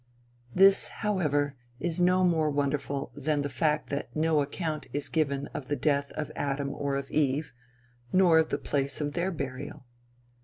This, however, is no more wonderful than the fact that no account is given of the death of Adam or of Eve, nor of the place of their burial.